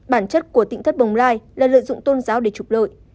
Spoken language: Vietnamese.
bản chất của tỉnh thất bồng lai là lợi dụng tôn giáo để trục lợi